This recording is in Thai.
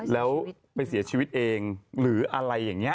แล้วไปเสียชีวิตเองหรืออะไรอย่างนี้